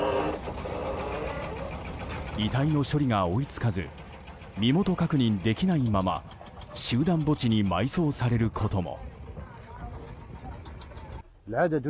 遺体の処理が追い付かず身元確認できないまま集団墓地に埋葬されることも。